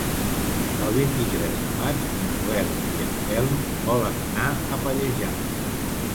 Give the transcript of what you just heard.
El vint-i-tres de maig en Joel i en Telm volen anar a Pallejà.